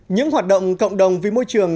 những hoạt động cộng đồng vì môi trường